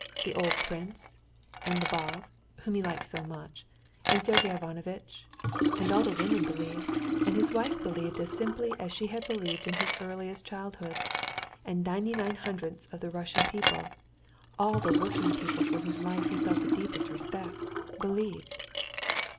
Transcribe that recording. The old prince, and Lvov, whom he liked so much, and Sergey Ivanovitch, and all the women believed, and his wife believed as simply as he had believed in his earliest childhood, and ninety nine hundredths of the Russian people, all the working people for whose life he felt the deepest respect, believed.